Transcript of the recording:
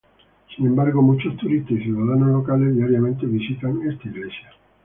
Sin embargo, muchos turistas y ciudadanos locales diariamente visitan esta iglesia.